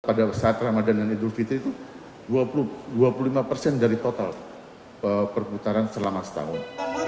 pada saat ramadan dan idul fitri itu dua puluh lima persen dari total perputaran selama setahun